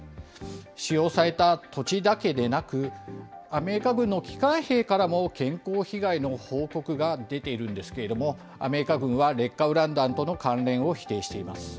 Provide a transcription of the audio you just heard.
使用された土地だけでなく、アメリカ軍の帰還兵からも健康被害の報告が出ているんですけれども、アメリカ軍は劣化ウラン弾との関連を否定しています。